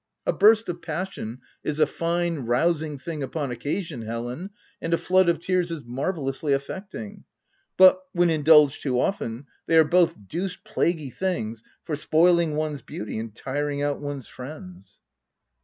A burst of passion is a fine, rousing thing upon occasion, Helen, and a flood of tears is marvellously affecting, but, when indulged too often, they are both deuced plaguy things for spoiling one's beauty and tiring out one's friends."